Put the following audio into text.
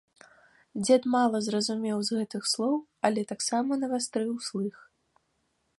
Дзед мала зразумеў з гэтых слоў, але таксама навастрыў слых.